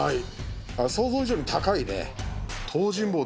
想像以上に高いね。